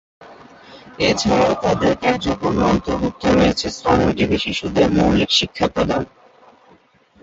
এছাড়াও তাদের কার্যক্রমে অন্তর্ভুক্ত রয়েছে শ্রমজীবী শিশুদের মৌলিক শিক্ষা প্রদান।